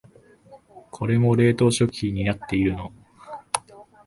これも冷凍食品になってるの？